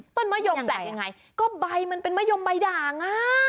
ต้นมะยมแปลกยังไงก็ใบมันเป็นมะยมใบด่างอ่ะ